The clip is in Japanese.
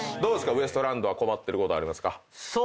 ウエストランドは困ってることありますか？